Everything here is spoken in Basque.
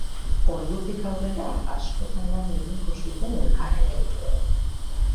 Ordutik aurrera, askotan lan egingo zuten elkarrekin.